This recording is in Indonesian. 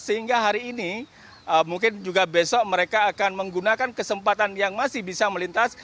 sehingga hari ini mungkin juga besok mereka akan menggunakan kesempatan yang masih bisa melintas